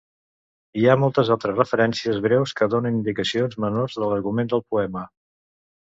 Hi ha moltes altres referències breus que donen indicacions menors de l'argument del poema.